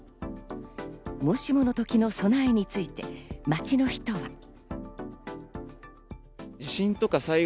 もしもの時の備えについて、街の人は。